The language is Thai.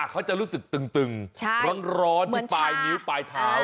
เขาจะรู้สึกตึงร้อนที่ปลายนิ้วปลายเท้า